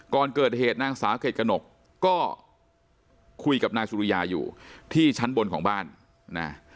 ก่อนเกิดเหตุนางสาวเกรดกระหนกก็คุยกับนายสุริยาอยู่ที่ชั้นบนของบ้านนะ